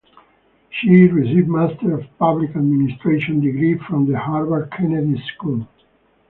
She received Master of Public Administration degree from the Harvard Kennedy School.